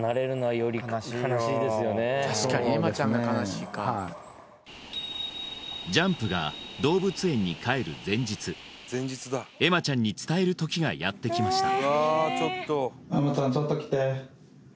はいジャンプが動物園に帰る前日愛舞ちゃんに伝える時がやってきました